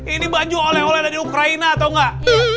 ini baju oleh oleh dari ukraina tau gak